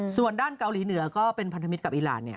ส่วนด้านเกาหลีเหนือก็เป็นพันธมิตรกับอีรานเนี่ย